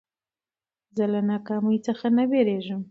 زه له ناکامۍ څخه نه بېرېږم.